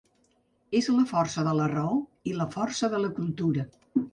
És la força de la raó i la força de la cultura.